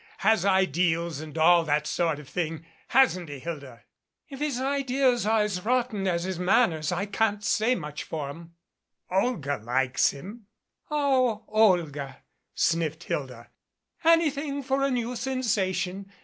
Has ideals, and all that sort of thing, hasn't he, Hilda?" "If his ideals are as rotten as his manners I can't say much for 'em." "Olga likes him " "Oh, Olga " sniffed Hilda. "Anything for a new sensation.